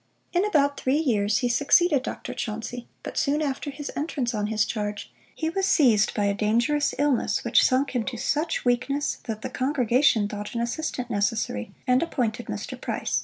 In about three years he succeeded Dr. Chauncey; but soon after his entrance on his charge, he was seized by a dangerous illness, which sunk him to such weakness, that the congregation thought an assistant necessary, and appointed Mr. Price.